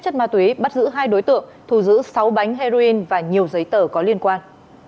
chất ma túy bắt giữ hai đối tượng thù giữ sáu bánh heroin và nhiều giấy tờ có liên quan